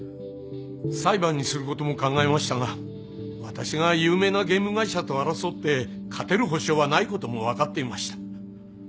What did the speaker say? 裁判にすることも考えましたが私が有名なゲーム会社と争って勝てる保証はないことも分かっていました。